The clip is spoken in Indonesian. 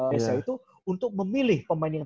ns nya itu untuk memilih pemain yang